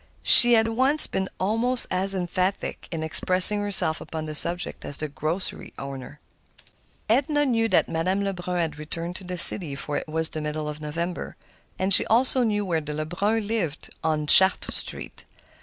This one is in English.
She had once been almost as emphatic in expressing herself upon the subject as the corner grocer. Edna knew that Madame Lebrun had returned to the city, for it was the middle of November. And she also knew where the Lebruns lived, on Chartres Street.